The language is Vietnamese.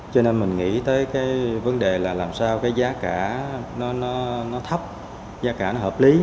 cho nên mình nghĩ tới cái vấn đề là làm sao cái giá cả nó thấp giá cả nó hợp lý